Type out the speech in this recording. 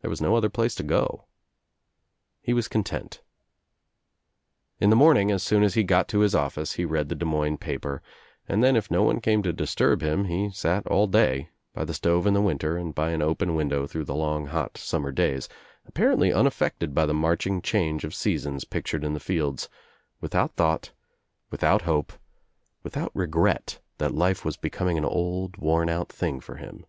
There was no other place to go. He was content. In the morning as soon as he got to his office he read the Des Moines paper and then If no one came to disturb him he sat all day, by the stove in winter and by an open window through the long hot summer days, apparently unaf fected by the marching change of seasons pictured in the fields, without thought, without hope, without re gret that life was becoming an old worn out thing for him.